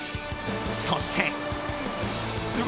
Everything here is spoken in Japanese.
そして。